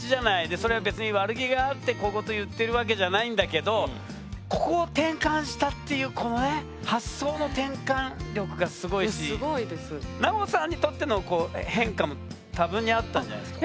それは別に悪気があって小言言ってるわけじゃないんだけどここを転換したっていうこのね奈緒さんにとっての変化も多分にあったんじゃないですか？